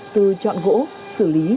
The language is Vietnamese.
từ chọn gỗ xử lý